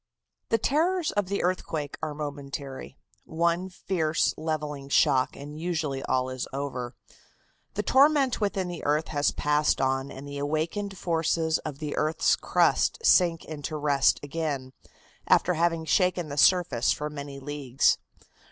The terrors of the earthquake are momentary. One fierce, levelling shock and usually all is over. The torment within the earth has passed on and the awakened forces of the earth's crust sink into rest again, after having shaken the surface for many leagues.